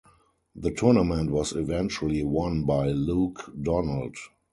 The tournament was eventually won by Luke Donald.